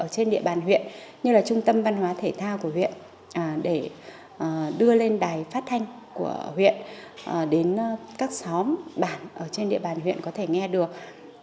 trên địa bàn huyện như là trung tâm văn hóa thể thao của huyện để đưa lên đài phát thanh của huyện đến các xóm bản ở trên địa bàn huyện có thể nghe được